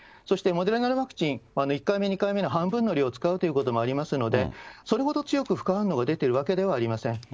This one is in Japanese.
そしてモデルナのワクチン、１回目、２回目の半分の量を使うということもありますので、それほど強く副反応が出ているわけではありません。